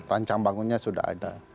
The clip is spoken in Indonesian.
rancang bangunnya sudah ada